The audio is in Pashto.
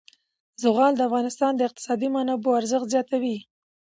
زغال د افغانستان د اقتصادي منابعو ارزښت زیاتوي.